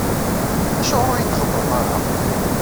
Acuɣer ur iyi-d-txebbreḍ ara?